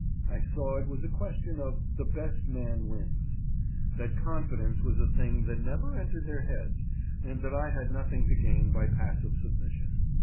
I saw it was a question of the "best man wins," that confidence was a thing that never entered their heads, and that I had nothing to gain by passive submission.